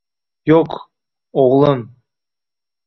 — Yo'q, o'g'lim.